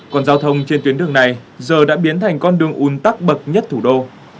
còn giao thông trên tuyến đường này giờ đã biến thành con đường un tắc bậc nhất thủ đô